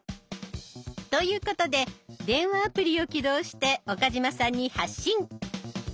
ということで電話アプリを起動して岡嶋さんに発信。